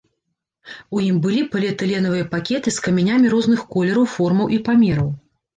У ім былі поліэтыленавыя пакеты з камянямі розных колераў, формаў і памераў.